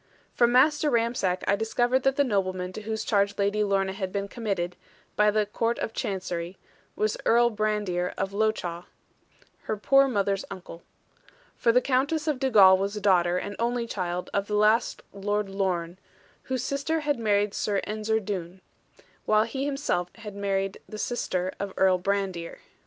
From Master Ramsack I discovered that the nobleman to whose charge Lady Lorna had been committed, by the Court of Chancery, was Earl Brandir of Lochawe, her poor mother's uncle. For the Countess of Dugal was daughter, and only child, of the last Lord Lorne, whose sister had married Sir Ensor Doone; while he himself had married the sister of Earl Brandir.